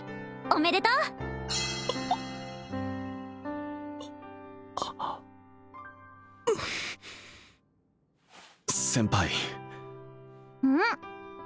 おめでとう先輩うん？